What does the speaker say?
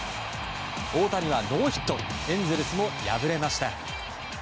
大谷はノーヒットエンゼルスも敗れました。